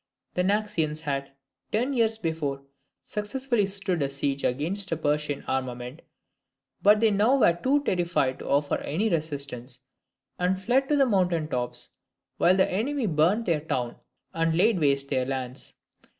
The Naxians had, ten years before, successfully stood a siege against a Persian armament, but they now were too terrified to offer any resistance, and fled to the mountain tops, while the enemy burnt their town and laid waste their lands.